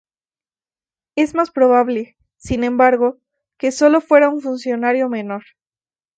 Es más probable, sin embargo, que solo fuera un funcionario menor.